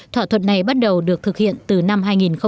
thỏa thuận này bắt đầu được thực hiện từ năm hai nghìn một mươi năm